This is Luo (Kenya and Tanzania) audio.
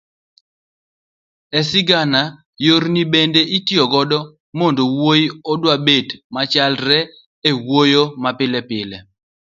e sigana, yorni bende itiyogo mondo wuoyo odwabet machalre e wuoyo mapilepile